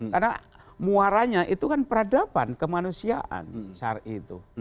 karena muaranya itu kan peradaban kemanusiaan syarih itu